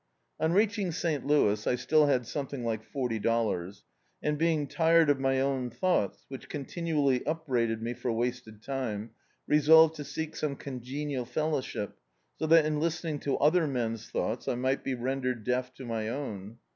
On reaching St. Louis I still had something like forty dollars, and being tired of my own thoii^ts, which continually upbrjuded me for wasted time, resolved to seek s<ane congenial fellowship, so that in listening to other men's thoughts I mig^t be ren dered deaf to my own.